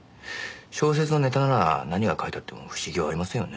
小説のネタなら何が書いてあっても不思議はありませんよね。